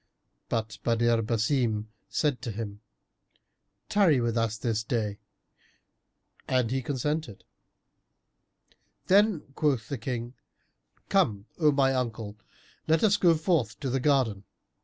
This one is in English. But Badr Basim said to him, "Tarry with us this day;" and he consented. Then quoth the King, "Come, O my uncle, let us go forth to the garden."